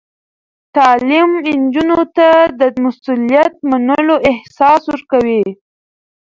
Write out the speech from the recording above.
تعلیم نجونو ته د مسؤلیت منلو احساس ورکوي.